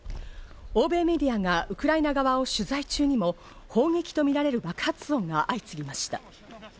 欧米メディアがウクライナ側を取材中にも砲撃とみられる爆発音が相次ぎました。